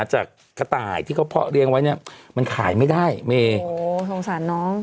โหสงสารน้อง